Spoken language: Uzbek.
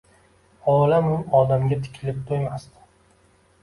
olamu odamga tikilib toʼymasdim